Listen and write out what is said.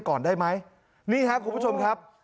ก่อนได้ไหมนี่ครับคุณผู้ชมครับ